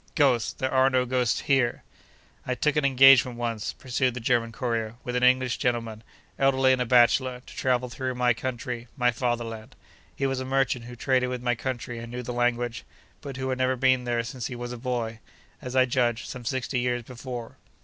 Ghosts! There are no ghosts here!' I took an engagement once (pursued the German courier) with an English gentleman, elderly and a bachelor, to travel through my country, my Fatherland. He was a merchant who traded with my country and knew the language, but who had never been there since he was a boy—as I judge, some sixty years before.